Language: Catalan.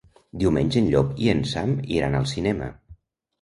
Diumenge en Llop i en Sam iran al cinema.